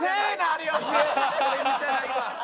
これ見たないわ。